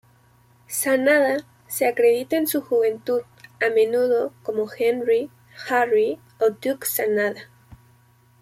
Sanada se acredita en su juventud a menudo como Henry, Harry, o Duke Sanada.